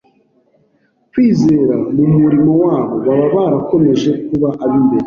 kwizera mu murimo wabo, baba barakomeje kuba ab’imbere.